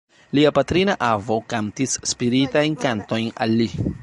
Lia patrina avo kantis spiritajn kantojn al li.